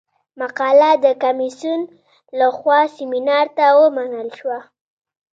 مقاله د کمیسیون له خوا سیمینار ته ومنل شوه.